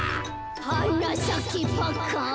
「はなさけパッカン」